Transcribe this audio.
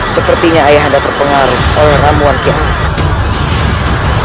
sepertinya ayah anda terpengaruh oleh ramuan kian